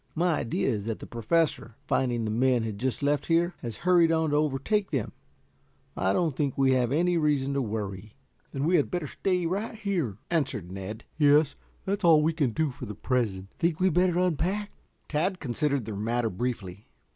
"My idea is that the Professor, finding the men had just left here, has hurried on to overtake them. I don't think we have any reason to worry." "Then we had better stay right here," answered Ned. "Yes. That is all we can do for the present." "Think we had better unpack?" Tad considered the matter briefly.